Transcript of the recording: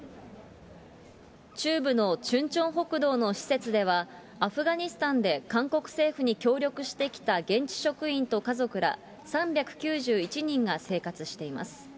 中部のチュンチョン北道の施設では、アフガニスタンで韓国政府に協力してきた現地職員と家族ら３９１人が生活しています。